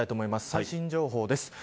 最新情報です。